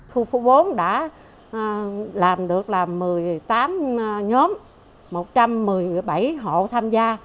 khu phố bốn đã làm được là một mươi tám nhóm một trăm một mươi bảy hộ tham gia